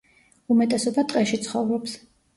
უმეტესობა ტყეში ცხოვრობს.